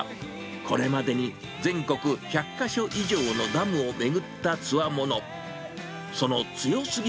これまでに全国１００か所以上のダムを巡ったつわもの。